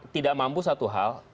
tidak mampu satu hal